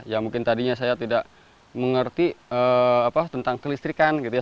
ya mungkin tadinya saya tidak mengerti tentang kelistrikan gitu ya